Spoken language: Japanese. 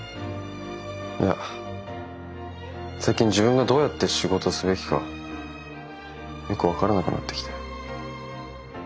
いや最近自分がどうやって仕事すべきかよく分からなくなってきて。